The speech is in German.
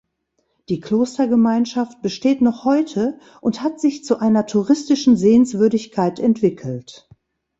Die Klostergemeinschaft besteht noch heute und hat sich zu einer touristischen Sehenswürdigkeit entwickelt.